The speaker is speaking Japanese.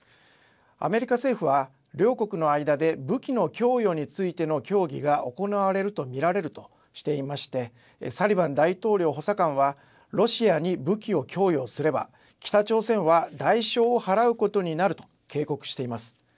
アメリカ政府は両国の間で武器の供与についての協議が行われると見られるとしていましてサリバン大統領補佐官はロシアに武器を供与すれば北朝鮮は代償を払うことになると警告しています。